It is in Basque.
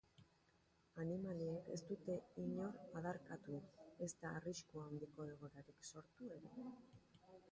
Animaliek ez dute inor adarkatu ezta arrisku handiko egoerarik sortu ere.